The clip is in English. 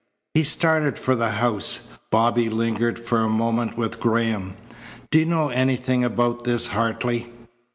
He started for the house. Bobby lingered for a moment with Graham. "Do you know anything about this, Hartley?"